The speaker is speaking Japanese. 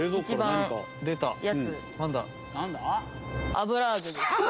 油揚げです。